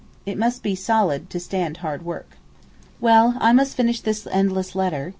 It must be solid to stand hard work. Well, I must finish this endless letter.